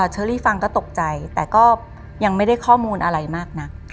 เชอรี่ฟังก็ตกใจแต่ก็ยังไม่ได้ข้อมูลอะไรมากนัก